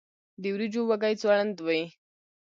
د وریجو وږی ځوړند وي.